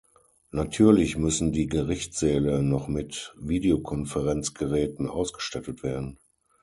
Natürlich müssen die Gerichtssäle noch mit Videokonferenzgeräten ausgestattet werden.